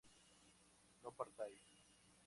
no partáis